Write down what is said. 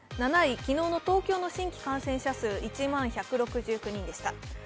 ７位、昨日の東京の新規感染者数は１万１６９人でした。